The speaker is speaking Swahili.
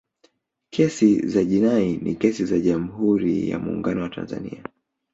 kesi za jinai ni kesi za jamhuri ya muungano wa tanzania